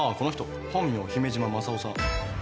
本名姫島正夫さん。